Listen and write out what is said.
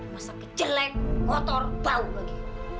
masa kejelek motor bau lagi